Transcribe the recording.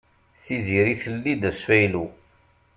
Tiziri telli-d asfaylu.